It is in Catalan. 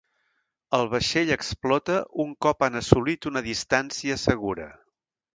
El vaixell explota un cop han assolit una distància segura.